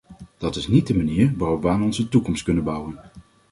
Dat is niet de manier waarop we aan onze toekomst kunnen bouwen.